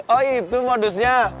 oh itu modusnya